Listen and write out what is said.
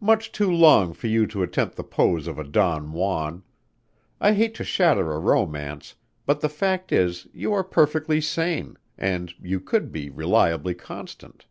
"Much too long for you to attempt the pose of a Don Juan. I hate to shatter a romance, but the fact is, you are perfectly sane and you could be reliably constant."